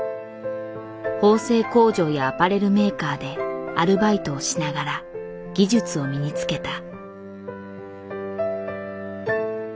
縫製工場やアパレルメーカーでアルバイトをしながら技術を身につけた。